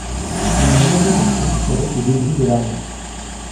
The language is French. Il ne revient en France qu'avec les débris de l'armée.